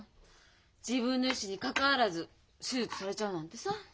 自分の意思にかかわらず手術されちゃうなんてさ。